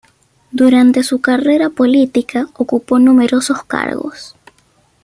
Durante su carrera política, ocupó numerosos cargos.